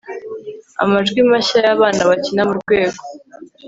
amajwi mashya y'abana bakina murwego